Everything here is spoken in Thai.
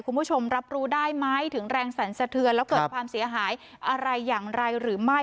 คุณผู้ชมรับรู้ได้ไหมถึงแรงสรรสะเทือนแล้วเกิดความเสียหายอะไรอย่างไรหรือไม่